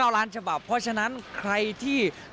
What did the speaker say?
ล้านฉบับเพราะฉะนั้นใครที่